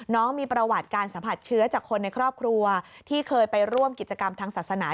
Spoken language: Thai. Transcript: น้องมีประวัติการสัมผัสเชื้อจากคนในครอบครัวที่เคยไปร่วมกิจกรรมทางศาสนา